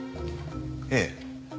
ええ。